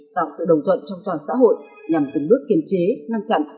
tạo sự đồng thuận trong toàn xã hội nhằm từng bước kiềm chế ngăn chặn